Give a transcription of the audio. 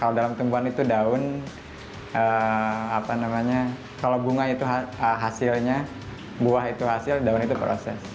walaupun apa namanya kalau bunga itu hasilnya buah itu hasil daun itu proses